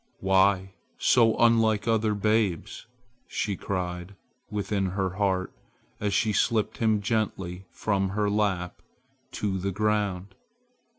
"Why so unlike other babes!" she cried within her heart as she slipped him gently from her lap to the ground.